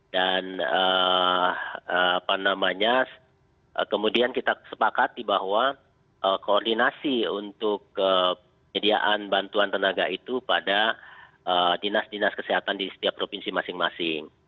kemudian kita sepakati bahwa koordinasi untuk penyediaan bantuan tenaga itu pada dinas dinas kesehatan di setiap provinsi masing masing